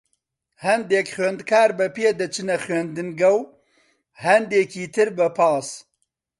هەندێک خوێندکار بە پێ دەچنە خوێندنگە، و هەندێکی تر بە پاس.